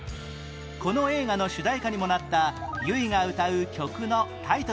この映画の主題歌にもなった ＹＵＩ が歌う曲のタイトルは？